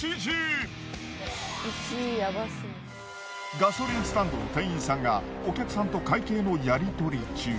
ガソリンスタンドの店員さんがお客さんと会計のやりとり中。